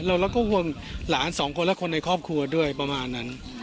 เราก็ห่วงหลานสองคนและคนในครอบครัวด้วยประมาณนั้น